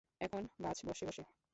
এখন বাছ বসে বসে।